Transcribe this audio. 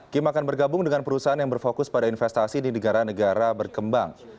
kim akan bergabung dengan perusahaan yang berfokus pada investasi di negara negara berkembang